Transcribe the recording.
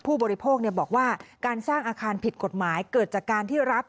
ผู้บริโภคบอกว่าการสร้างอาคารผิดกฎหมายเกิดจากการที่รับ